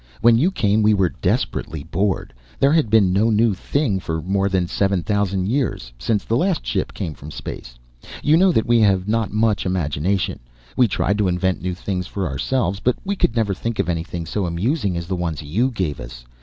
When You came, we were desperately bored. There had been no new thing for more than seven thousand years, since the last ship came from space. You know that we have not much imagination. We tried to invent new things for ourselves, but we could never think of anything so amusing as the ones You gave us.